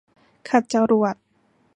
ขัดจรวด